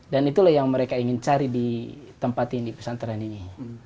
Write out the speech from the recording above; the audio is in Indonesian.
dan itulah yang mereka ingin cari di tempat ini di pesantren ini